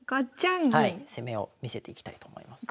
攻めを見せていきたいと思います。